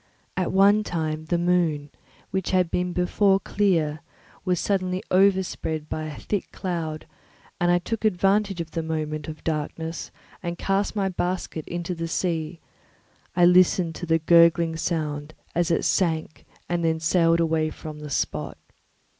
At one time the moon, which had before been clear, was suddenly overspread by a thick cloud, and I took advantage of the moment of darkness and cast my basket into the sea; I listened to the gurgling sound as it sank and then sailed away from the spot.